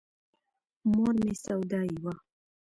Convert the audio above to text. مور مې سودايي وه.